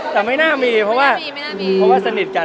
แต่ไม่น่ามีเพราะว่าสนิทกัน